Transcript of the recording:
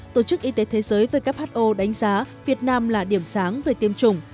tổ chức y tế thế giới who đánh giá việt nam là điểm sáng về tiêm chủng